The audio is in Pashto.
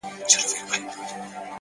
زه له خپلي ډيري ميني ورته وايم ـ